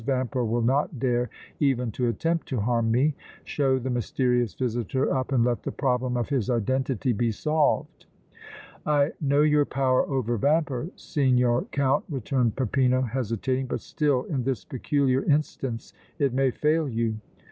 Vampa will not dare even to attempt to harm me! Show the mysterious visitor up and let the problem of his identity be solved!" "I know your power over Vampa, Signor Count," returned Peppino, hesitating, "but still in this peculiar instance it may fail you!"